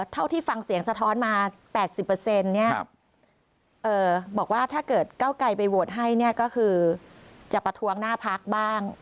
เท่าที่ฟังเสียงสะท้อนมา๘๐บอกว่าถ้าเกิดเก้าไกลไปโหวตให้เนี่ยก็คือจะประท้วงหน้าพักบ้าง